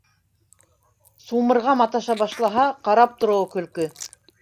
—Сумырға маташа башлаһа, ҡарап тороуы көлкө.